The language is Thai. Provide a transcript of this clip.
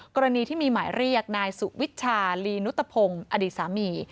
กรณีที่มีหมายเรียกนายสุวิชาลีนุตพงศ์อดีตสามี